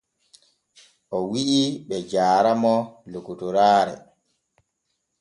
O wi’i be jaara mo lokotoraare.